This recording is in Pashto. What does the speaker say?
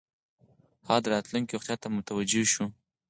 هغه د راتلونکې روغتیا ته متوجه شو.